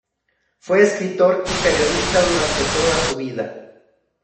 Fue escritor y periodista durante toda su vida.